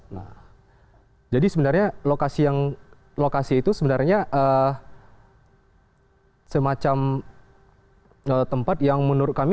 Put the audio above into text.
nah jadi sebenarnya lokasi itu sebenarnya semacam tempat yang menurut kami